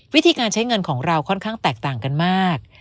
วิธีการใช้เงินของเราค่อนข้างแตกต่างกันมาก